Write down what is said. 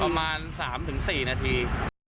ประมาณ๓๔นาที